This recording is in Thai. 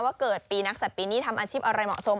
ว่าเกิดปีนักศัตว์ปีนี้ทำอาชีพอะไรเหมาะสม